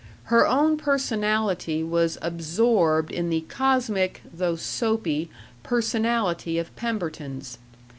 Her own personality was absorbed in the cosmic (though soapy) personality of Pemberton's.